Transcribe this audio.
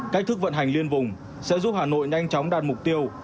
cách thức vận hành liên vùng sẽ giúp hà nội nhanh chóng đạt mục tiêu